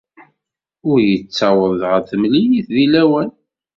Ur yettaweḍ ɣer temlilit deg lawan.